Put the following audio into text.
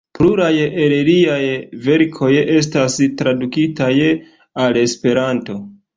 Pluraj el liaj verkoj estas tradukitaj al Esperanto.